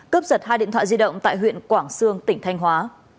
cướp giật hai điện thoại di động tại huyện quảng sương tỉnh thanh hóa